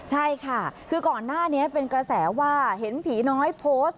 ใช่ค่ะคือก่อนหน้านี้เป็นกระแสว่าเห็นผีน้อยโพสต์